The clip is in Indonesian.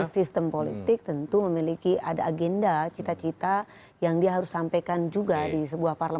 sistem politik tentu memiliki ada agenda cita cita yang dia harus sampaikan juga di sebuah parlemen